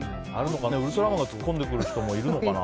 ウルトラマンが突っ込んでくる人もいるのかな。